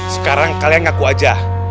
sekarang kalian ngaku saja